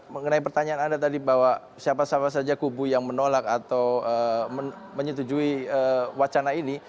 mengenai pertanyaan anda tadi bahwa siapa siapa saja kubu yang menolak atau menyetujui wacana ini